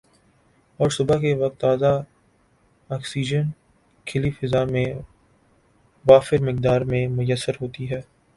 اور صبح کے وقت تازہ آکسیجن کھلی فضا میں وافر مقدار میں میسر ہوتی ہے